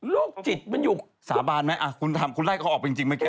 โรคจิตมันอยู่สาบานไหมอ่ะคุณทำคุณไล่เขาออกไปจริงเมื่อกี